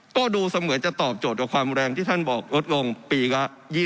ก็ดูเสมือนจะตอบโจทย์กับความแรงที่ท่านบอกลดลงปีละ๒๐